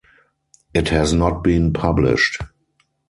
It has not been published.